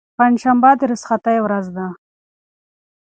پنجشنبه د رخصتۍ ورځ ده.